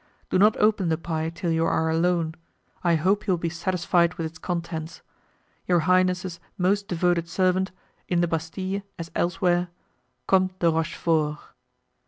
Do not open the pie till you are alone. I hope you will be satisfied with its contents. "Your highness's most devoted servant, "In the Bastile, as elsewhere, "Comte de Rochefort."